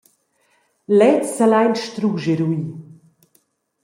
Lezs selain strusch eruir.